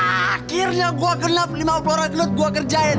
akhirnya gue kenap lima puluh orang gendut gue kerjain